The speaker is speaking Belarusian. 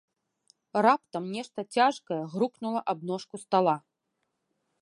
Раптам нешта цяжкае грукнула аб ножку стала.